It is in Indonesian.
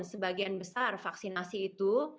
sebagian besar vaksinasi itu